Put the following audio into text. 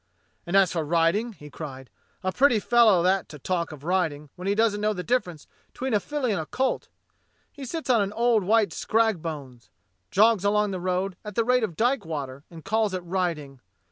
"And as for riding," he cried, "a pretty fellow that to talk of riding, when he doesn't know the difference 'tween a filly and a colt. He sits on an old white scrag bones, jogs along the road at the rate of dyke water, and calls it riding.